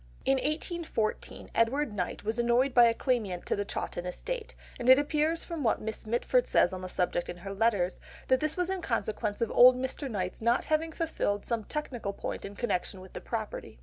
In 1814, Edward Knight was annoyed by a claimant to the Chawton estate, and it appears from what Miss Mitford says on the subject in her letters, that this was in consequence of old Mr. Knight's not having fulfilled some technical point in connection with the property.